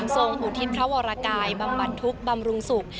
อุทิศพระวรกายบำบัดทุกข์บำรุงสุข